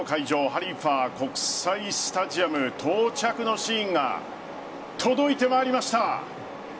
ハリーファ国際スタジアム到着のシーンが届いてまいりました。